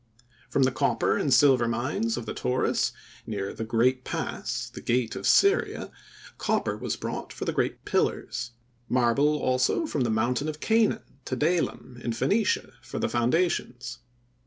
From the copper and silver mines of the Taurus, near "the great pass," "the gate of Syria," copper was brought for the great pillars. Marble also from the "Mountain of Canaan," (Tidalum), in Phœnicia, for the foundations.